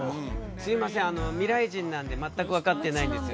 すいません未来人なんで全く分かってないんですよ。